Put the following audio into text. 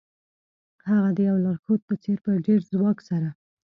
هغه د یو لارښود په څیر په ډیر ځواک سره